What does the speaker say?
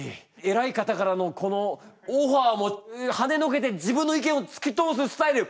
えらい方からのこのオファーもはねのけて自分の意見をつき通すスタイル！